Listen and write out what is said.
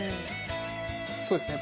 そうですね。